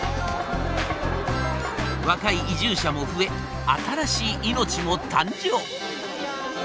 若い移住者も増え新しい命も誕生。